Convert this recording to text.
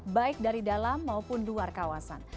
baik dari dalam maupun luar kawasan